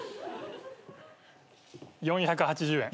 ４８０円。